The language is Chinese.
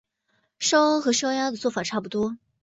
烧鹅和烧鸭做法差不多。